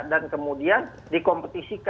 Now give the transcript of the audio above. dan kemudian di kompetisi